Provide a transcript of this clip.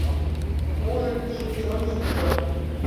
Можыт, шӱм-чоныштыжо...